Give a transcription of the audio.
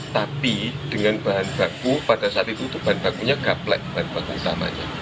tapi dengan bahan baku pada saat itu bahan bakunya gaplek bahan baku utamanya